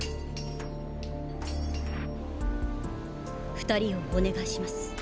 二人をお願いします。